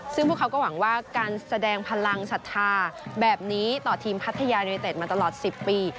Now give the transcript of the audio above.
ซึ่งพวกเขาก็หวังว่าการแสดงพลังศรัทธาแบบนี้ต่อทีมพัทยายูนิเต็ดมาตลอด๑๐ปี